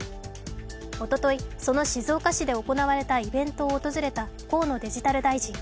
おととい、その静岡市で行われたイベントを訪れた河野デジタル大臣。